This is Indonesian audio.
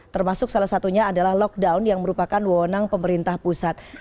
termasuk salah satunya adalah lockdown yang merupakan wonang pemerintah pusat